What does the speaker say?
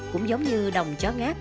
cũng giống như đồng chó ngáp